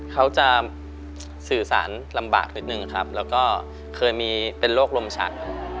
เขาจะสื่อสารลำบากนิดนึงครับแล้วก็เคยมีเป็นโรคลมชัก